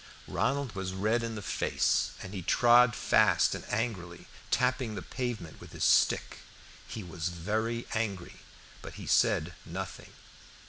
Ronald was red in the face, and he trod fast and angrily, tapping the pavement with his stick. He was very angry, but he said nothing.